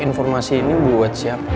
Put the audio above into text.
informasi ini buat siapa